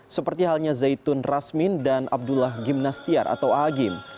seperti halnya zaitun rasmin dan abdullah gimnastiar atau agim